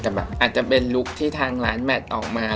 แต่อาจจะเป็นลูกที่ทางร้านแมตต์ออกมา